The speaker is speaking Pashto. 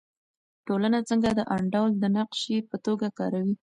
ټولنه څنګه د انډول د نقشې په توګه کاروي؟